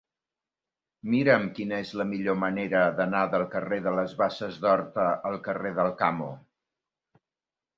Mira'm quina és la millor manera d'anar del carrer de les Basses d'Horta al carrer d'Alcamo.